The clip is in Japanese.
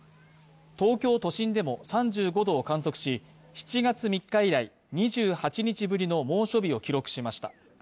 東京都心でも３５度を観測し、７月３日以来、２８日ぶりの猛暑日を記録しました。